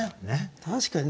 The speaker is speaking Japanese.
確かにね